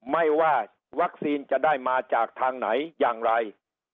ไม่ว่าวัคซีนจะได้มาจากทางไหนอย่างไร